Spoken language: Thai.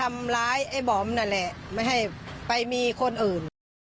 ไม่ให้ไปมีคนอื่น